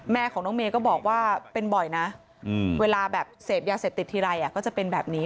แม่ของน้องเมย์ก็บอกว่าเป็นบ่อยนะเวลาแบบเสพยาเสพติดทีไรก็จะเป็นแบบนี้